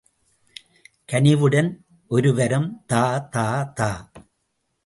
கனிவுடன் ஒருவரம் தா தா தா.